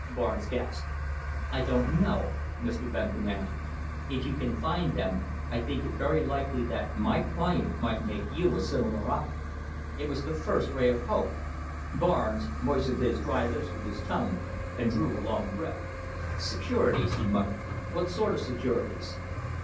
Barnes gasped. "I do not know," Mr. Bentham answered. "If you can find them, I think it very likely that my client might make you a similar offer." It was the first ray of hope. Barnes moistened his dry lips with his tongue, and drew a long breath. "Securities!" he muttered. "What sort of securities?"